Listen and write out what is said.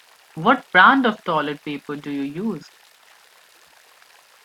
What brand of toilet paper do you use?